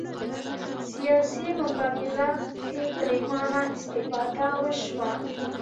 سیاسي مقابله کې پرېمانه استفاده وشوه